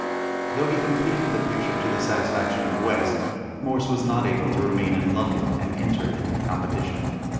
Though he completed the picture to the satisfaction of West, Morse was not able to remain in London and enter it in the competition.